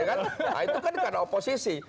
nah itu kan karena oposisi